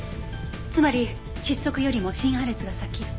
つまり窒息よりも心破裂が先。